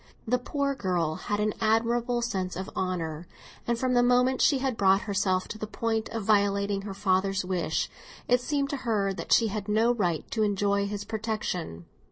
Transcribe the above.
The poor girl had an admirable sense of honour; and from the moment she had brought herself to the point of violating her father's wish, it seemed to her that she had no right to enjoy his protection.